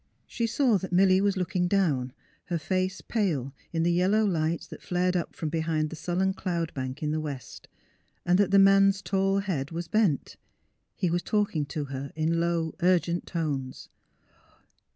She saw that Milly was looking down, her face pale in the yellow light that flared up from behind the sullen cloud bank in the west, and that the man's tall head was bent ; he was talking to her in low urgent tones.